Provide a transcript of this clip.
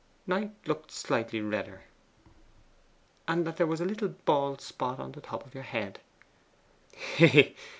Knight looked slightly redder. 'And that there was a little bald spot on the top of your head.